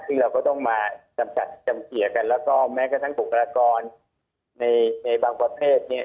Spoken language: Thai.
ซึ่งเราก็ต้องมาจำเกียร์กันแล้วก็แม้กระทั้งปุกรากรในใบบางประเภทเนี่ย